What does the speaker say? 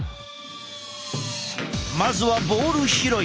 まずはボール拾い。